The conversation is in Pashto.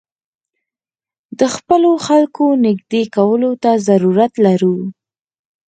د خپلو خلکو نېږدې کولو ته ضرورت لرو.